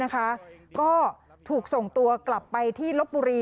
ก็ถูกส่งตัวกลับไปที่ลบบุรี